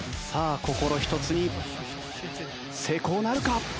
さあ心一つに成功なるか？